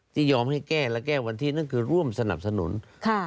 ยอมให้แก้และแก้วันที่นั่นคือร่วมสนับสนุน